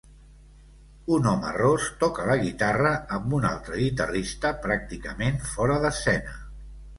Un home ros toca la guitarra amb un altre guitarrista pràcticament fora d'escena.